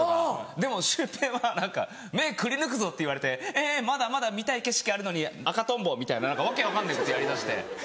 でもシュウペイは何か「目くりぬくぞ」って言われて「えぇまだまだ見たい景色あるのにアカトンボ」みたいな何か訳分かんないことやりだして。